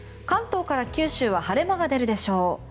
関東から九州は晴れ間が出るでしょう。